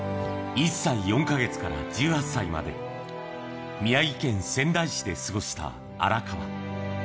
１歳４か月から１８歳まで、宮城県仙台市で過ごした荒川。